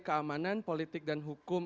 keamanan politik dan hukum